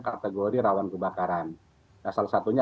kategori rawan kebakaran salah satunya